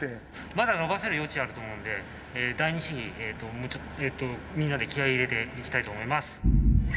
まだ伸ばせる余地あると思うんで第二試技みんなで気合い入れていきたいと思います。